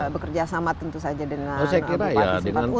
bekerja sama tentu saja dengan bupati simpati